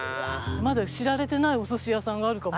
まだ知られてないお寿司屋さんがあるかも。